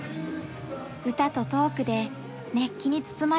歌とトークで熱気に包まれる会場。